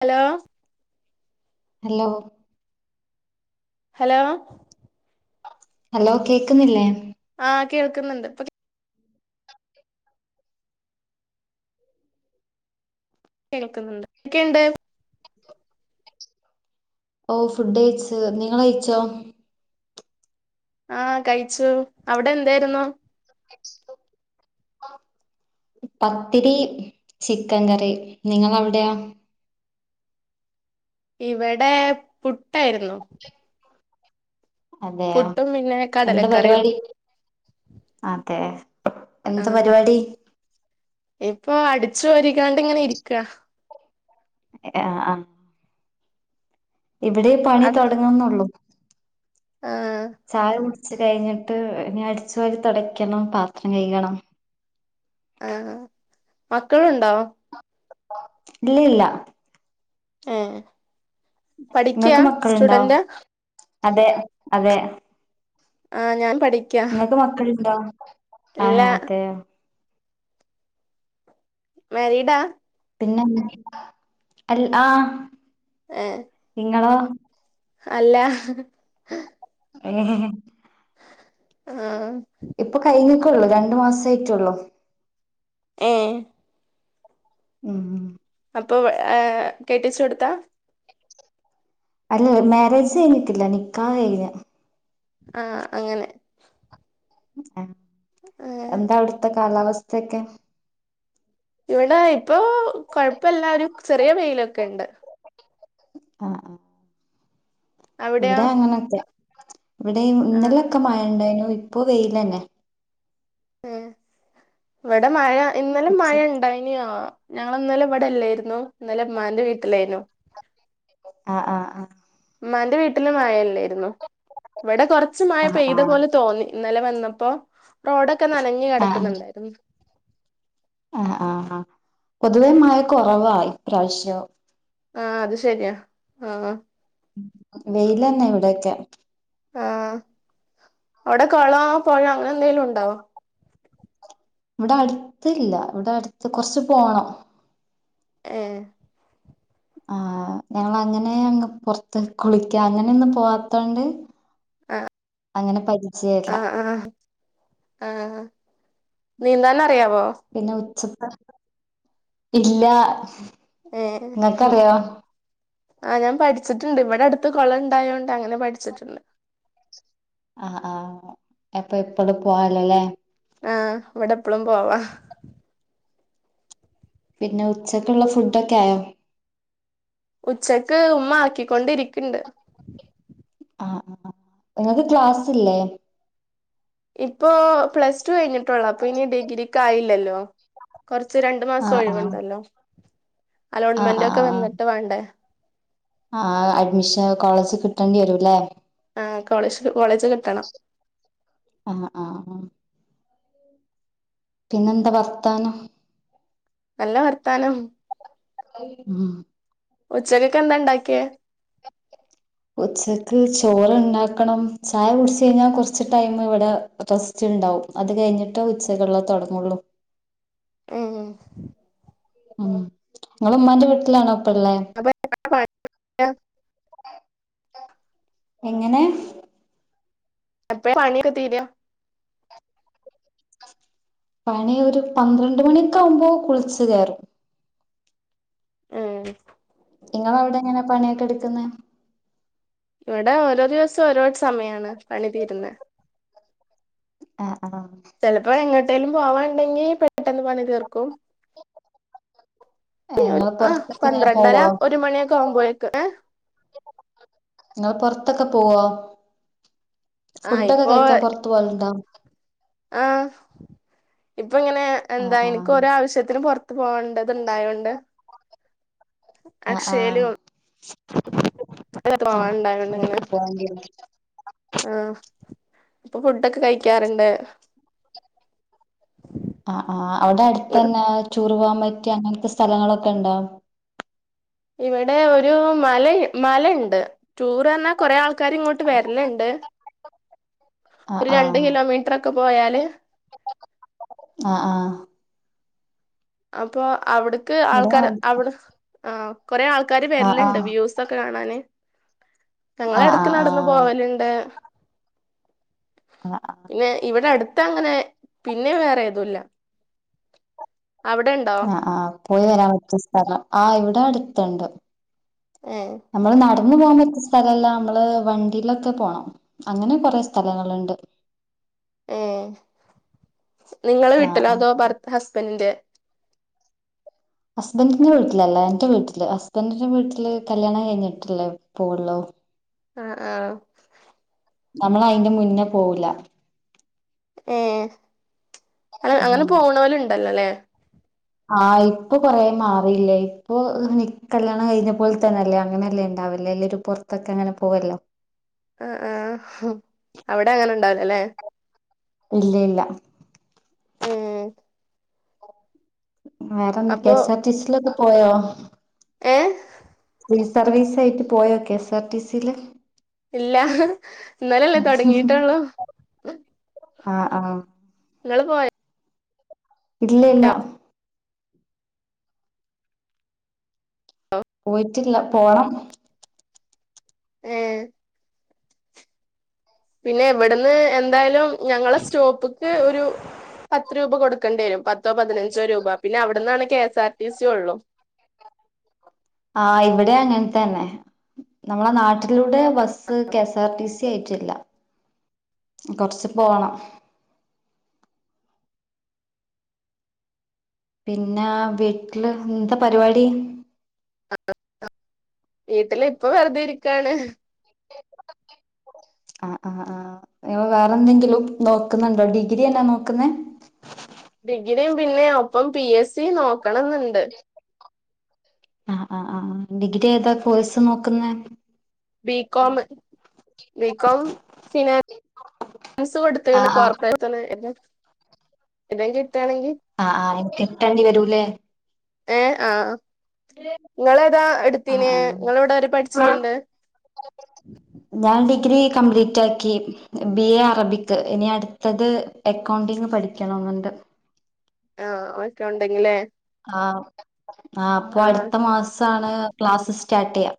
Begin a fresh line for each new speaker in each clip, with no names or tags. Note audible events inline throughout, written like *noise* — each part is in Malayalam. ഹലോ.
ഹലോ.
ഹലോ,
ഹലോ കേക്കുന്നില്ലേ?
ആഹ് കേൾക്കുന്നുണ്ട്, കേൾക്കുന്നുണ്ട് ഒക്കെയുണ്ട്,
ഓഹ് ഫുഡ് കയ്ച്ച്, നിങ്ങളയ്ച്ചോ?
ആഹ് കഴിച്ചു, അവിടെ എന്തായിരുന്നു?
ഓ *inaudible* പത്തിരി, ചിക്കൻ കറി, നിങ്ങളവിടെയോ?
ഇവിടെ പുട്ടായിരുന്നു,
അതെയോ
പുട്ടും പിന്നെ
എന്താ
കടലക്കറിയും
പരിപാടി? അതെ, എന്ത്
ആഹ്,
പരിപാടി
ഇപ്പൊ അടിച്ചു വാരികാണ്ട്ങ്ങനെ ഇരിക്ക,
ആഹ് ആഹ്, ഇവിടെ പണി
അട്
തുടങ്ങുന്നുള്ളു,
ആഹ്,
ചായ കുടിച്ച് കഴിഞ്ഞിട്ട് ഇനി അടിച്ചുവാരി തുടക്കണം പാത്രം കഴികണം,
ആഹ്, മക്കളുണ്ടോ?
ഇല്ല ഇല്ല,
ഏഹ് പഠിക്കാ,
നിങ്ങൾക്ക് മക്കളുണ്ടോ
സ്റ്റുഡന്റ?
അതെ അതെ,
ആഹ് ഞാൻ പഠി
ങ്ങൾക്ക് മക്കളുണ്ടോ?
ഇല്ല
ആഹ് അതെയ,
മേരിഡാ?
പിന്നെന്താ? ആഹ്,
ഏഹ്,
നിങ്ങളോ?
അല്ല
ഏഹ്, *unintelligible*
ആഹ്
ഇപ്പൊ കഴിഞ്ക്കുള്ളൂ രണ്ടു മാസം ആയിട്ടുള്ളൂ
ഉം
ഉം
അപ്പൊ കെട്ടിച്ച് കൊടുത്ത
അല്ല മാരേജ് കഴിഞ്ഞിട്ടില്ല, നിക്കാഹ്‌ കഴിഞ്ഞ്,
ആഹ് അങ്ങനെ,
ആഹ്
ഏഹ്
എന്താ അവടുത്തെ കാലാവസ്ഥയൊക്കെ?
ഇവടെ ഇപ്പൊ കൊഴപ്പവില്ല ഒരു ചെറിയ വെയിലൊക്കെയുണ്ട്
ആഹ് ആഹ്,
അവിടെയോ
ഇവിടെ അങ്ങനൊക്കയാ ഇവിടെ
ആഹ്
ഇന്നലൊക്കെ മഴ ഉണ്ടായിനു ഇപ്പൊ വെയിലന്നെ,
ഏഹ്, ഇവിടെ മഴ ഇന്നലെ
ഉച്ച
മഴ ഉണ്ട കഴിഞ്ഞോ ഞങ്ങള് ഇന്നലെ ഇവിടെ അല്ലായിരുന്നു ഇന്നലെ ഉമ്മാന്റെ വീട്ടിലായിരുന്നു,
ആഹ് ആഹ് ആഹ്,
ഉമ്മാന്റെ വീട്ടില് മയല്ലായിരുന്നു ഇവിടെ കൊറച്ച് മഴ
ആഹ്
പെയ്ത
ആഹ്
പോലെ തോന്നി, ഇന്നലെ വന്നപ്പോ റോഡൊക്കെ നനഞ്ഞ്
ആഹ്
കെടക്കുന്നുണ്ടായിരുന്നു,
ആഹ് ആഹ് ആഹ്, പൊതുവെ മയ കൊറവാ ഇപ്രാവശ്യം
ആഹ് അത് ശരിയാ ആഹ്
വെയില് തന്നെ ഇവിടെയൊക്കെ
ആഹ് അവിടെ കുളോ പൊഴൊ അങ്ങനെ എന്തെലും ഉണ്ടാവോ
ഇവിടെ അടുത്ത് ഇല്ല ഇവിടെ അടുത്ത് കൊറച്ച് പോണം
ഏഹ്
ആഹ് ഞങ്ങള് അങ്ങനെ അങ്ങ് പൊർത്ത് കുളിക്കാന് അങ്ങനെയൊന്നും പോവാത്തോണ്ട്
ആഹ്
അങ്ങനെ പഠിച്ച്-
ആഹ് ആഹ് ആഹ് നീന്താൻ അറിയാവോ..
പിന്നെ ഉച്ചഭക്ഷണം ഇല്ലാ
ഏയെ ആഹ് ഞാൻ പഠിച്ചിട്ടുണ്ട് ഇവിടെ അടുത്ത് കൊളം ഉണ്ടായതോണ്ട് അങ്ങനെ പഠിച്ചിട്ടുണ്ട്
ആ ആഹ അപ്പൊ എപ്പഴും പോവാലോല്ലേ..
ആഹ് ഇവിടെ എപ്പളും പോവാ
പിന്നെ ഉച്ചയ്ക്കുള്ള ഫുഡൊക്കെ ആയോ
ഉച്ചക്ക് ഉമ്മ ആക്കിക്കൊണ്ടിരിക്ക്ണ്ട്..
ആഹ് ആഹ് നിങ്ങക്ക് ക്ലാസ്സ്ല്ലേ
ഇപ്പൊ പ്ലസ് ടു കഴിഞ്ഞിട്ട് ഉള്ളെത് അപ്പൊ ഇനി ഡിഗ്രിക്ക് ആയില്ലല്ലോ കൊറച്ച് രണ്ട് മാസം
ആഹ് ആഹ്
ഒഴിവുണ്ടല്ലോ
ആഹ്
അലോട്ട്മെന്റ് ഒക്കെ
ആഹ്
വന്നിട്ട് വേണ്ടേ
ആഹ് അഡ്മിഷൻ കോളേജ് കിട്ടേണ്ടി വരുംല്ലേ..
ആഹ് കോളജ് കോളേജ് കിട്ടണം..
ആഹാ ആഹ് ആഹാ പിന്നെ എന്താ വർത്താനം
നല്ല വർത്താനം
ഉം
ഉച്ചക്കക്കെ എന്താ ഉണ്ടാക്കിയേ
ഉച്ചക്ക് ചോറ്ണ്ടാക്കണം ചായ കുട്ച്ചയ്ഞ്ഞാ കൊർച്ച് ടൈമ് ഇവ്ടെ റസ്റ്റ്ണ്ടാവും അത് കയ്ഞ്ഞ്ട്ടാ ഉച്ചക്ക്ള്ളത് താെടങ്ങാെള്ളു
ഉം ഉം
ഉം ങ്ങെള് ഇമ്മാന്റെ വീട്ട്ലാണോ പ്പെള്ളേ
അപ്പ *unintelligible*
എങ്ങെനെ
എപ്പഴ പണ്യൊക്കെ തീരാ
പണി ഒരു പന്ത്രണ്ട് മണ്യാെക്കാവ്മ്പോ കുൾച്ച് കേറും
ഏഹ്
ഇങ്ങെളവ്ടെങ്ങെനെ പണ്യൊക്കെ ഇട്ക്ക്ന്നെ
ഇവെടെ ഓരോ ദിവെസം ഓരോ സമയാണ് പണി തീര്ന്നെ
അഹ് ആഹ്
ചെൽപ്പം എങ്ങെട്ടേലും പോവാണ്ടെങ്കി പെട്ടെന്ന് പണി തീർക്കും
ഇങ്ങള്
ആഹ്
പൊറത്തൊക്കെ ഇങ്ങനെ
പന്ത്രണ്ടെര
പോവോ
ഒരു മണിയൊക്കെ ആവുമ്പോഴേക്ക് ഏഹ്
ഇങ്ങെള് പൊർത്തൊക്കെ പോവാേ
ആ
ഫുഡ്ഡൊക്കെ
ഇപ്പൊ
കഴിക്ക്യാം പൊർ ത്ത് പോവല്ണ്ടോ
ആഹ് ഇപ്പാെ ഇങ്ങെനെ
ആഹ്
എന്താ
ആഹ്
ഇൻക്കാെരാവ്ശ്യത്തിന് പൊർ ത്ത് പോവാൻ ണ്ടെത്ണ്ടായോണ്ട്
അഹ് ആഹ്
പോവാണ്ടായോണ്ട്
*unintelligible* പോവെണ്ട്യെരും
ആഹ് ഇപ്പൊ ഫുഡ്ഡാെക്കെ കഴിക്ക്യാറ്ണ്ട്
അഹ് ആഹ് അവ്ടെ അട്ത്തെന്നാ റ്റൂറ് പോവാം പറ്റ്യ അങ്ങൻത്തെ സ്ഥലങ്ങളൊക്കെണ്ടോ
ഇവെടെ ഒരു മലെയ് മലണ്ട് ടൂറ് അർഞ്ഞാ കൊറേ ആൾക്കാര് ഇങ്ങോട്ട് വെര്ല്ണ്ട് ഒര് രണ്ട് കിലോമീറ്റ്റൊക്കെ പോയാല്
അഹ് ആഹ്
അപ്പോ അവ്ട്ക്ക്
ഇവിടെ
ആൾക്കാര്
അട്
അവ്ട് ആഹ് കൊറേ ആൾക്കാര്
ആഹ്
വെര്ല്ണ്ട് വ്യൂസ് പ്പൊക്കെ കാണാന്
ആഹ്
ഞങ്ങളെട്ക്ക്
ആഹ് ആഹ്
നട്ന്ന്
ആഹ്
പോവല്ണ്ട്
ആഹ് അഹ്
പിന്നെ ഇവ്ടെ അട്ത്തങ്ങെനെ പിന്നേ വേറേതുല്ലാ അവ്ടെൻ
ആഹ് ആഹ് പോയി വെരാം പറ്റ്യ സ്ഥലം ആഹ് ഇവ്ടെ അട്ത്ത്ണ്ട്
ഏ
ഞമ്മള് നടന്ന് പോകാം പറ്റ്യ സ്ഥലല്ലാ അമ്മെള് വണ്ടീലൊക്കെ പോണം അങ്ങെനെ കൊറേ സ്ഥലങ്ങള്ണ്ട്
ഏഹ് നിങ്ങെളെ
ആഹ്
വീട്ട്ല് അതോ
ആഹ്
ഭർത് ഹസ്ബെന്റിന്റെ
ഹസ്ബന്റിന്റെ വീട്ടിലല്ലാ എന്റെ വീട്ടില് ഹസ്ബന്റിന്റെ വീട്ടില് കല്ല്യാണം കയ്ഞ്ഞിട്ട്ല്ലേ പോവാെള്ളു
അഹ് ആഹ്
നമ്മളയ്ന് മുന്നെ പോവുല്ലാ
ഏഹ് അതൽ അങ്ങെനെ
ആഹ്
പോണോല്ണ്ടല്ലാെലേ
ആഹ് ഇപ്പൊ കൊറേ മാറീല്ലേ ഇപ്പൊ നി കല്ല്യാണം കയ്ഞ്ഞ പോൽ തന്നെല്ലേ അങ്ങെനെല്ലേണ്ടാവെല് ലെരു പൊർത്തൊക്കെ അങ്ങെനെ പോവെല്ലോ
അഹ് ആഹ് ഹും അവ്ടെ അങ്ങെനെണ്ടാവ്‌ലലേ
ഇല്ല്യ ഇല്ലാ
ഏഹ്
വേറെന്താ കെ
അപ്പൊ
എസ് ആർ ടി സീലൊക്കെ പോയോ
ഏഹ്
ഫ്രീ സർവീസായ്ട്ട് പോയോ കെ എസ് ആർ ടി സീല്
ഇല്ലാ ഹ് ഇന്നലല്ലേ തൊടങ്ങിട്ടള്ളോ
ആഹ് ആഹ്
ങ്ങള്പോയ്
ഇല്ലല്ല
*unintelligible*
പോയിട്ടില്ല പോണം
ഏഹ് പിന്നെ ഇവിട്ന്ന് എന്തായാലും ഞങ്ങളെ സ്റ്റോപ്പ്ക്ക് ഒരു പത്ത് രൂപ കൊടുക്കേണ്ടി വരും പത്തോ പതിനഞ്ചോ രൂപ പിന്നെ അവിടന്നാണ് കെ എസ് ആർ ടി സിയുള്ളൂ
ആഹ് ഇവിടെ അങ്ങൻത്തന്നെ നമ്മളെ നാട്ടിലൂടെ bus K S R T C ആയിറ്റില്ല കൊറച്ച് പോണം പിന്നാ വീട്ടില് എന്താ പരിപാടി
വീട്ടില് പ്പൊ വെറുതെരിക്കാണ്
ആഹ് ആഹ് ങ്ങൾ വേറെന്തെങ്കിലും നോക്കുന്നുണ്ടോ ഡിഗ്രി അല്ലാ നോക്കുന്നേ
ഡിഗ്രിയും പിന്നെ ഒപ്പം പി എസ് സിയും നോക്കണം ന്നുണ്ട്
ആഹ് ആഹ് ആഹ് ഡിഗ്രി ഏതാ കോഴ്സ് നോക്കുന്നെ
ബികോമ് ബികോം സിന സ്കൊട്ത്ത്
ആഹ് ആഹ്
ണ്കോർപ്പറേഷൻല് ന്തേകിട്ടാണെങ്കി
ആഹ് ആഹ് എനി കിട്ടേണ്ടി വരൂലേ
ഏഹ് ആഹ് ങ്ങളേതാ
ആഹ്
എടുത്തീനേ
ആഹ്
ങ്ങളേവ്ടവരെ പഠിച്ചിട്ടുണ്ട്
ഞാൻ ഡിഗ്രി കംപ്ലീറ്റാക്കി ബി എ അറബിക്ക് ഇനി അടു ത്തത് അക്കൗണ്ടിങ് പഠിക്കണോന്നുണ്ട്
ആഹ് ഒക്കോണ്ടിങ്ങ്ലേ
ആഹ് ആഹ് പ്പൊ അടുത്ത മാസാണ് ക്ലാസ്സ് സ്റ്റാർട്ട്യ്യാ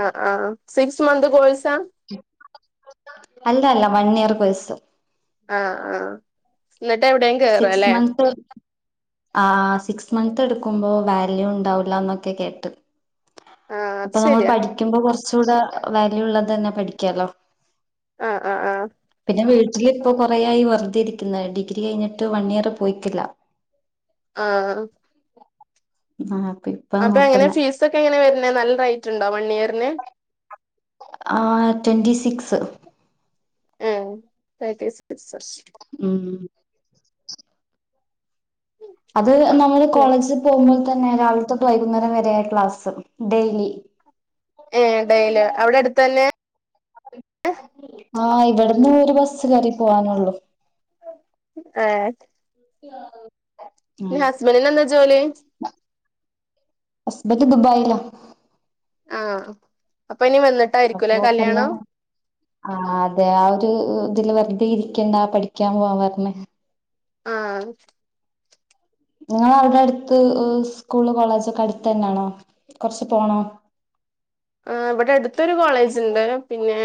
ആഹ് ആഹ് സിക്സ് മന്ത് കോയ്സാ
അല്ല അല്ല വൺ ഇയർ കോഴ്സ്
ആഹ് ആഹ് ന്നിട്ട് എവിടെം കേറലേ
*unintelligible* ആഹ് സിക്സ് മന്ത്എടുക്കുമ്പോ വാല്യൂ ണ്ടാവ് ല്ലന്നൊക്കെ കേട്ട്
ആ അത്
അപ്പൊ നമ്മൾ
ശരിയാ
പഠിക്കുമ്പോ കൊറച്ചൂടെ വാല്യൂള്ളതന്നെ പഠിക്കാലോ
ആഹ് ആഹ് ആഹ്
പിന്നെ വീട്ടിലിപ്പൊ കൊറേയായി വർതെ രിക്കുന്ന് ഡിഗ്രി കഴിഞ്ഞി റ്റു വൺ ഇയർ പോയിറ്റില്ല
ആഹ്
ആഹ് പി
അപ്പൊ എങ്ങനെ ഫീസൊക്കെ എങ്ങനെ വരുന്നെ നല്ല റൈറ്റ്ണ്ടോ വൺ ഇയറിന്
ആഹ്. ട്വൻറ്റി സിക്സ്
ഉം. *unintelligible*
ഉം ഉം അത് നമ്മള് കോളേജിൽ പോകുമ്പോൾ തന്നെ രാവിലത്തെട്ട് വൈകുന്നേരം വരെയാ ക്ലാസ് ഡെയിലി.
ഏഹ് ഡൈലി. അവിടെ അടുത്തന്നെ
ആഹ് ഇവിടുന്ന് ഒരു ബസ് കേറി പോവാനുള്ളു
ഏഹ്
*inaudible*
നി ഹസ്ബന്റിനെന്താ ജോലി
ഹസ്ബന്റ് ദുബായില
ആഹ് അപ്പൊ ഇനി വന്നിട്ടായിരിക്കൂല്ലേ കല്യാണം
ആഹ് അതെ ആ ഒരു ഇതില് വെറുതെ ഇരിക്കേണ്ടാ പഠിക്കാൻ പോവാൻ പറഞ്ഞ
ആഹ്
നിങ്ങ അവിടെ അടുത്ത് സ്കൂള് കോളേജഒക്കെ അടുത്ത് തന്നെയാണോ കൊറച്ച് പോണോ
ആഹ് ഇവിടെ അടുത്തൊരു കോളേജ് ഉണ്ട് പിന്നെ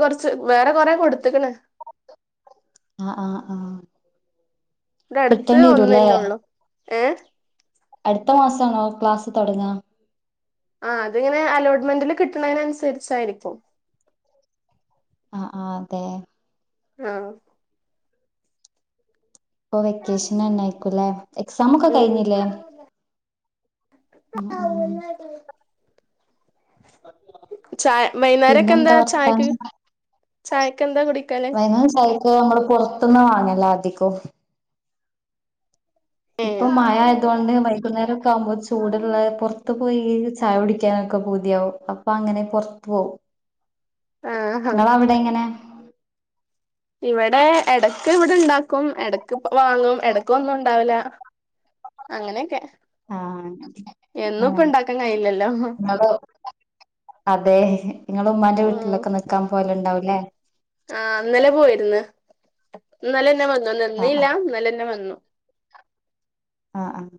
കൊറച്ച് വേറെ കൊറെ കൊടുത്തക്ണ്
ആഹ് ആഹ് ആഹാ
ഇവിട അടുത്ത് ഒന്ന് തന്നെ ഉള്ളു ഏഹ്
അടുത്ത മാസാണോ ക്ലാസ് തുടങ്ങാ
ആഹ് അത് ഇങ്ങനെ അലോട്ട്മെന്റില് കിട്ടണതിനന്നുസരിച്ചായിരിക്കും
ആ ആ അതെ
ആഹ്
ഇപ്പൊ വെക്കേഷൻ തന്നെ ആയിക്കൂലെ. എക്സാം ഒക്കെ
ഉം
കഴിഞ്ഞില്ലേ. ഉം ഉം
*unintelligible* ചായ വൈകുന്നേരംക്കെ എന്താ
പിന്നെന്താ
ചായക്ക്.
വർത്താനം
ചായക് എന്താ കുടിക്കല്
വൈകുന്നേരം ച യ്ക്ക് നമ്മള് പുറത്തന്ന് വാങ്ങലോ അധികും
ഏ
ഇപ്പൊ മയ ആയതുകൊണ്ട് വൈകുന്നേരം ഒക്കെ ആകുമ്പോ ചൂടുള്ള പുറത്ത് പുറത്ത് പോയി ചായ കുടിക്കാനൊക്കെ പൂതിയാവും അപ്പൊ അങ്ങനെ പുറത്ത് പോവും.
ആ ഹാ
നിങ്ങള അവിടെ എങ്ങനെ?
ഇവിടെ ഇടക്ക് ഇവിടെ ഇണ്ടാക്കും ഇടക്ക് വാങ്ങും ഇടക് ഒന്നും ഉണ്ടാവുല്ല അങ്ങനെയൊക്കെ.
ആഹ്
എന്നും ഇപ്പൊ ഇണ്ടാക്കാൻ കഴിയി ല്ലല്ലോ.
അതോ അതെ നിങ്ങള് ഉമ്മാന്റെ വീട്ടിലൊക്കെ നിക്കാൻ പോവല് ഉണ്ടാവുംല്ലേ
ആഹ് അന്നലെ പോയിരുന്ന്. ഇന്നലെന്നെ വന്നു
ആഹ് ആഹ്
നിന്നില്ല ഇന്നലെന്നെ വന്നു
ആഹ് ആഹ്